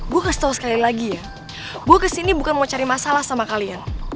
gue kasih tau sekali lagi ya gue kesini bukan mau cari masalah sama kalian